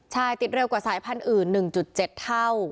ใช่ติดเร็วกว่าสายพันธุ์อื่น๑๗เท่า